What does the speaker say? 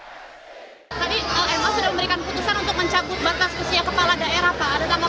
tadi ma sudah memberikan putusan untuk mencabut batas usia kepala daerah pak